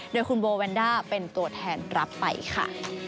โดยคุณโบแวนด้าเป็นตัวแทนรับไปค่ะ